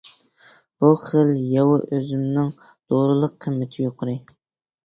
بۇ خىل ياۋا ئۈزۈمنىڭ دورىلىق قىممىتى يۇقىرى.